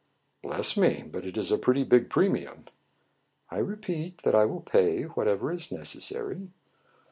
" Bless me ! but \% is a pretty big premium." " I repeat that I will pay whatever is necessary."